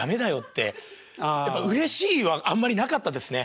やっぱ「うれしい」はあんまりなかったですね。